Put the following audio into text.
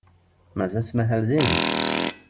Mazal tettmahal din?